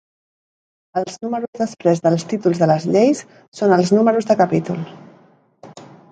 Els números després dels títols de les Lleis són els números de capítol.